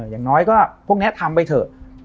อย่างน้อยก็พวกนี้ทำไปเถอะ